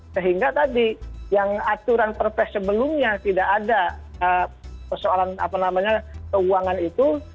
sehingga tadi yang aturan perpres sebelumnya tidak ada persoalan apa namanya keuangan itu